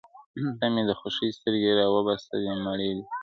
• تامي د خوښۍ سترگي راوباسلې مړې دي كړې.